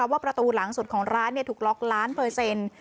ประตูหลังสุดของร้านถูกล็อกล้านเปอร์เซ็นต์